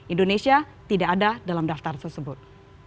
indonesia tidak ada dalam daftar tersebut